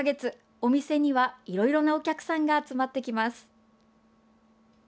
お店には、いろいろなお客さんが集まってきます。